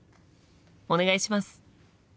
お願いします！